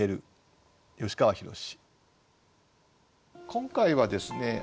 今回はですね